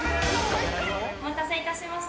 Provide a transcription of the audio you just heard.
お待たせいたしました。